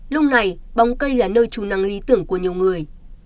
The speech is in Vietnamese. lúc này bóng cây là nơi trù nắng lý tưởng của nhiều người